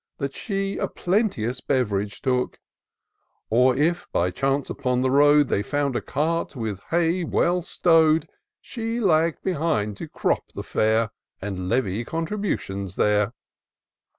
That she a plenteous beverage took; Or if, by chance upon the road. They found a cart with hay well stow'd, She lagged behind to crop the fare, And levy contributions there.